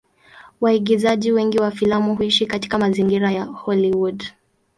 Waigizaji wengi wa filamu huishi katika mazingira ya Hollywood.